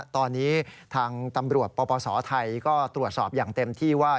ตอนนี้ทางตำรวจปปศไทยก็ตรวจสอบอย่างเต็มที่ว่า